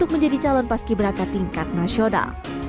sebagai calon pak ibraka tingkat nasional